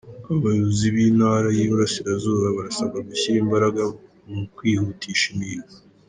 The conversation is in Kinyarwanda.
Abayobozi b’Intara y’Iburasirazuba barasabwa gushyira imbaraga mu kwihutisha imihigo